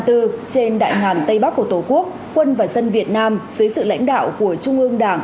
trên đại ngàn tây bắc của tổ quốc quân và dân việt nam dưới sự lãnh đạo của trung ương đảng